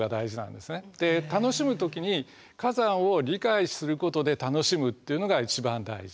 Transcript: で楽しむ時に火山を理解することで楽しむっていうのが一番大事。